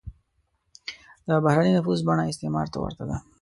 د بهرنی نفوذ بڼه استعمار ته ورته ده.